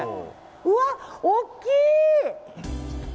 うわ、大きい！